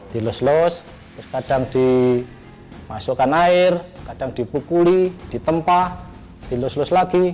terus kadang dimasukkan air kadang dipukuli ditempah dilus lus lagi